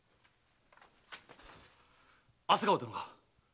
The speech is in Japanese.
朝顔殿が！